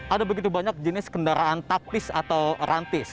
ada begitu banyak jenis kendaraan taktis atau rantis